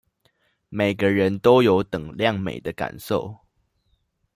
每個人都有等量美的感受